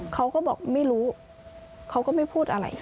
เขาก็บอกไม่รู้เขาก็ไม่พูดอะไร